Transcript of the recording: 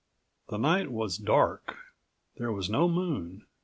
The night was dark. There was no moon.